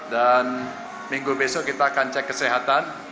dan minggu besok kita akan cek kesehatan